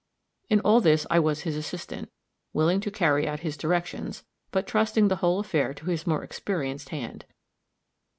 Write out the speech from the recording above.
In all this I was his assistant, willing to carry out his directions, but trusting the whole affair to his more experienced hand.